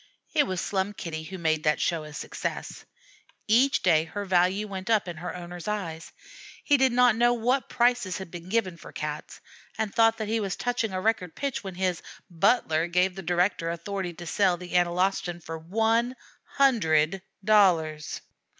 It was Slum Kitty who made that show a success. Each day her value went up in her owner's eyes. He did not know what prices had been given for Cats, and thought that he was touching a record pitch when his "butler" gave the director authority to sell the Analostan for one hundred dollars.